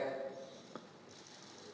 untuk tidak terpaksa